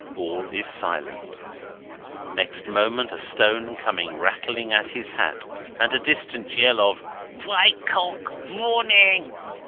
All is silent. Next moment, a stone coming rattling at his hat, and a distant yell of "Wake Cock! Warning!"